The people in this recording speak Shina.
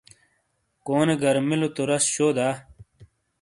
کونے گرامیلو تو راس، شو دا؟